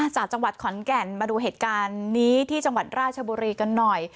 จากจังหวัดขอนแก่นมาดูเหตุการณ์นี้ที่จังหวัดราชบุรีกันหน่อย